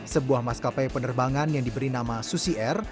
sebuah maskapai penerbangan yang diberi nama susi air